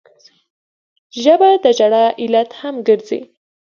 ژبه د ژړا علت هم ګرځي